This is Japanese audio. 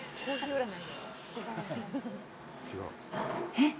えっ？